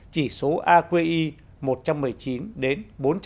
chỉ số aqi một trăm một mươi chín đến bốn trăm ba mươi